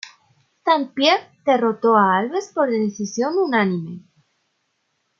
St-Pierre derrotó a Alves por decisión unánime.